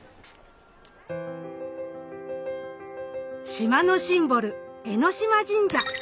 島のシンボル江島神社。